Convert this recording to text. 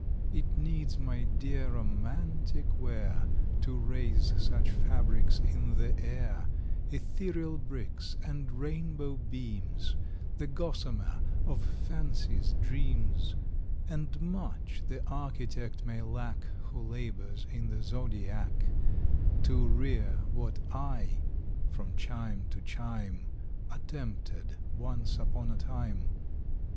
It needs, my dear, romantic ware To raise such fabrics in the air— Ethereal bricks, and rainbow beams, The gossamer of Fancy's dreams: And much the architect may lack Who labours in the zodiac To rear what I, from chime to chime, Attempted once upon a time.